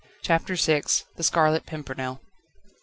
CHAPTER VI The Scarlet Pimpernel.